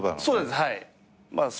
そうですはい。